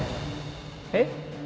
えっ？